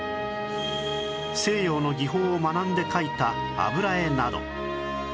西洋の技法を学んで描いた油絵など